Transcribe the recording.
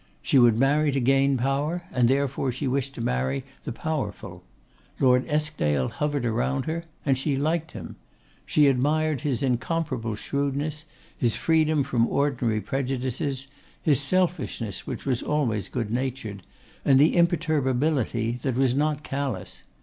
She would marry to gain power, and therefore she wished to marry the powerful. Lord Eskdale hovered around her, and she liked him. She admired his incomparable shrewdness; his freedom from ordinary prejudices; his selfishness which was always good natured, and the imperturbability that was not callous.